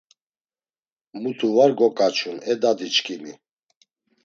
Mutu var gokaçun, e dadiçkimi